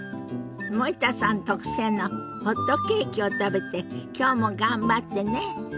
森田さん特製のホットケーキを食べてきょうも頑張ってね。